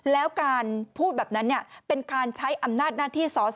แล้วการพูดแบบนั้นเป็นการใช้อำนาจหน้าที่สอสอ